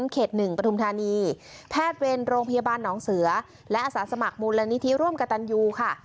เขต๑ปฐุมธานีแพทย์เวรโรงพยาบาลหนองเสือและอาสาสมัครมูลนิธิร่วมกับตันยูค่ะ